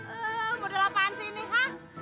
ehh bener apaan sih ini hah